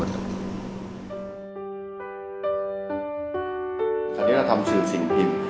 อันนี้เรากล้าทำสื่อสิ่งผิด